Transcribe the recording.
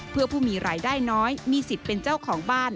เพื่อผู้มีรายได้น้อยมีสิทธิ์เป็นเจ้าของบ้าน